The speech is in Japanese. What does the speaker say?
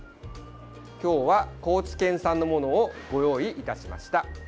今日は高知県産のものをご用意いたしました。